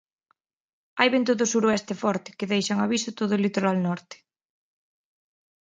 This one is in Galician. Hai vento do suroeste forte, que deixa en aviso todo o litoral norte.